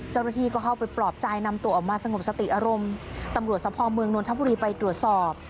เจ้าหน้าที่ก็เข้าไปปลอบใจนำตัวออกมาสงบสติอารมณ์ตำรวจสะพอเมืองนทบุรีไปตรวจสอบ